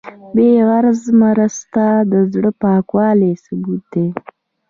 بېغرضه مرسته د زړه پاکوالي ثبوت دی.